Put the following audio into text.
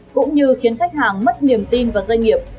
cũng như khiến khách hàng mất niềm tin vào doanh nghiệp